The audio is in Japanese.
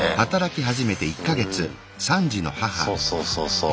そうそうそうそう。